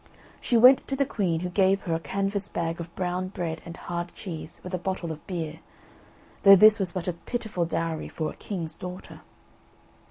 She went to the queen, who gave her a canvas bag of brown bread and hard cheese, with a bottle of beer; though this was but a pitiful dowry for a king's daughter.